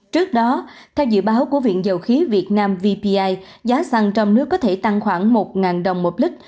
trước đó theo dự báo của viện dầu khí việt nam vpi giá xăng trong nước có thể tăng khoảng một đồng một lít